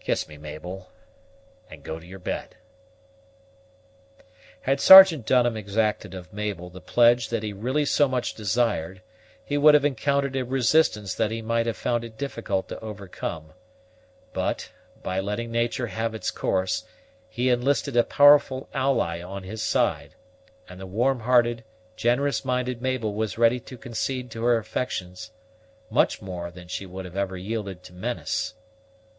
Kiss me, Mabel, and go to your bed." Had Sergeant Dunham exacted of Mabel the pledge that he really so much desired, he would have encountered a resistance that he might have found it difficult to overcome; but, by letting nature have its course, he enlisted a powerful ally on his side, and the warm hearted, generous minded Mabel was ready to concede to her affections much more than she would ever have yielded to menace.